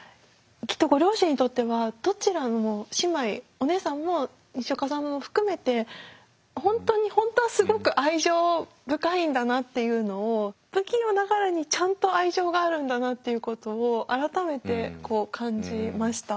きっとご両親にとってはどちらも姉妹お姉さんもにしおかさんも含めて本当に本当はすごく愛情深いんだなっていうのを不器用ながらにちゃんと愛情があるんだなっていうことを改めて感じました。